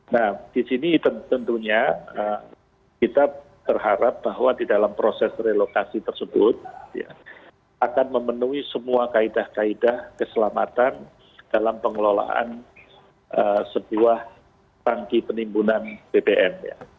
nah di sini tentunya kita berharap bahwa di dalam proses relokasi tersebut akan memenuhi semua kaedah kaedah keselamatan dalam pengelolaan sebuah tangki penimbunan bbm